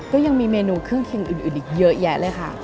ก็ยังมีเมนูเครื่องเค็งอื่นอีกเยอะแยะเลยค่ะ